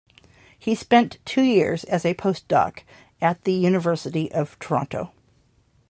He spent two years as a postdoc at the University of Toronto.